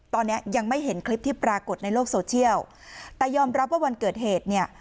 ตอนนี้ยังไม่เห็นคลิปที่ปรากฏในโลกโซเชียลแต่ยอมรับว่าวันเกิดเหตุเนี่ย